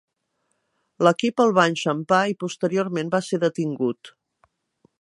L'equip el va enxampar i posteriorment va ser detingut.